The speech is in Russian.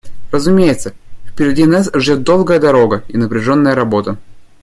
Разумеется, впереди нас ждет долгая дорога и напряженная работа.